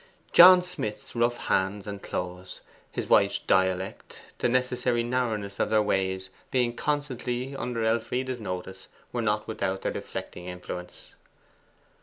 John Smith's rough hands and clothes, his wife's dialect, the necessary narrowness of their ways, being constantly under Elfride's notice, were not without their deflecting influence.